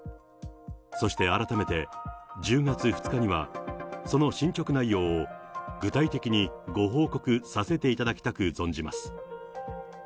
そして、改めて１０月２日には、その進捗内容を具体的にご報告させていただきたく存じます。